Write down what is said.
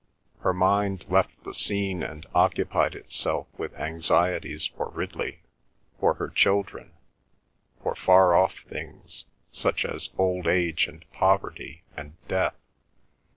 Her mind left the scene and occupied itself with anxieties for Ridley, for her children, for far off things, such as old age and poverty and death.